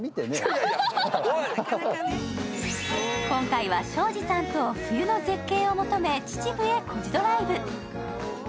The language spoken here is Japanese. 今回は庄司さんと冬の絶景を求め、秩父へコジドライブ。